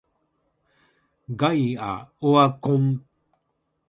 ガイアオワコン